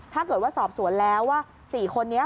ถ้าเกิดว่าสอบสวนแล้วว่า๔คนนี้